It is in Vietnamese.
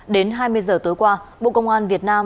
đến hai mươi giờ tối qua bộ công an việt nam